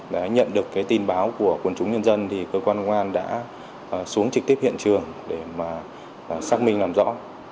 đã nhận được cái tin báo của quân chúng nhân dân thì cơ quan công an đã xuống trực tiếp hiện trường để mà xác minh làm rõ